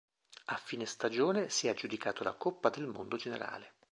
A fine stagione si è aggiudicato la Coppa del Mondo generale.